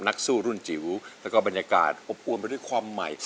นักสู้รุ่นจิ๋วแล้วก็บรรยากาศอบอวนไปด้วยความใหม่